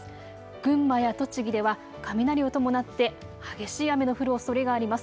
群馬や栃木では雷を伴って激しい雨の降るおそれがあります。